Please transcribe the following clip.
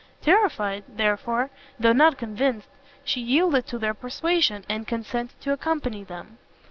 Terrified, therefore, though not convinced, she yielded to their persuasions, and consented to accompany them.